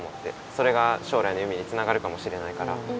それが将来の夢につながるかもしれないから。